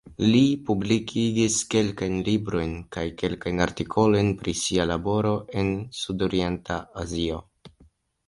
Li publikigis kelkajn librojn kaj kelkajn artikolojn pri sia laboro en Sudorienta Azio.